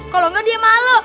kalau nggak dia malu